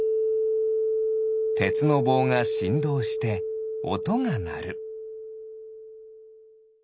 てつのぼうがしんどうしておとがなる。